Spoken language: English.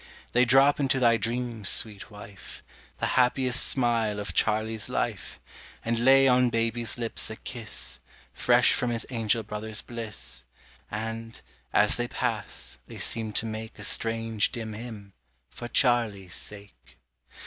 They drop into thy dreams, sweet wife, The happiest smile of Charlie's life, And lay on baby's lips a kiss, Fresh from his angel brother's bliss; And, as they pass, they seem to make A strange, dim hymn, "For Charlie's sake."